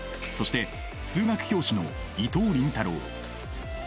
そして数学教師の伊藤倫太郎。